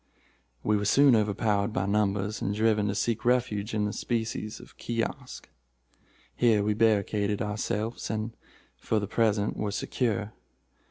We were soon overpowered by numbers, and driven to seek refuge in a species of kiosk. Here we barricaded ourselves, and, for the present were secure.